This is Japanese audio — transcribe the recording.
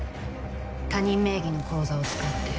他人名義の口座を使って